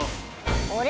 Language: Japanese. あれ？